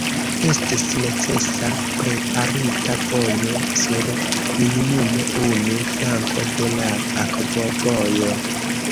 Estis necesa preparita vojo sur minimume unu flanko de la akvovojo.